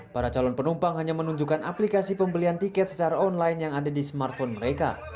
para calon penumpang hanya menunjukkan aplikasi pembelian tiket secara online yang ada di smartphone mereka